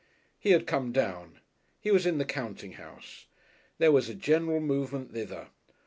He had come down! He was in the counting house. There was a general movement thither.